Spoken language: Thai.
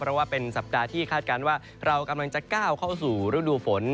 เพราะว่าเป็นสัปดาห์ที่คาดการณ์ว่าเรากำลังจะก้าวเข้าสู่ฤดูฝน